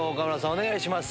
お願いします。